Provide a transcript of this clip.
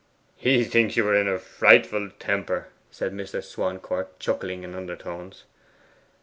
'He thinks you are in a frightful temper,' said Mr. Swancourt, chuckling in undertones.